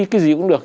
cái gì cũng được